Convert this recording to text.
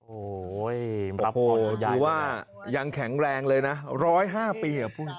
โอ้โหถือว่ายังแข็งแรงเลยนะ๑๐๕ปี